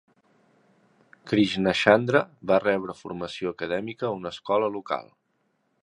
Krishnachandra va rebre formació acadèmica a una escola local.